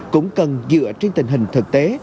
cũng cần dựa trên tình hình thực tế